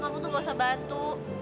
kamu tuh gak usah bantu